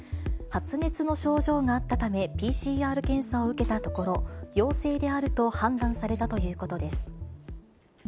発熱の症状があったため、ＰＣＲ検査を受けたところ、陽性であると判断されたということです。